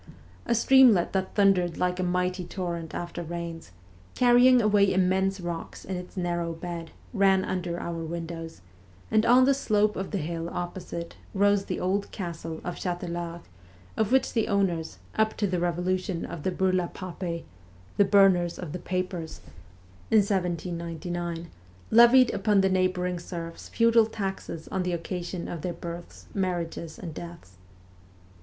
A streamlet that thundered like a mighty torrent after rains, carrying away immense rocks in its narrow bed, ran under our windows, and on the slope of the hill opposite rose the old castle of Chatelard, of which the owners, up to the revolu tion of the burla papei (the burners of the papers) in 1799, levied upon the neighbouring serfs feudal taxes on the occasion of their births, marriages, and deaths.